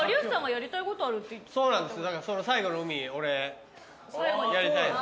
そうなんです。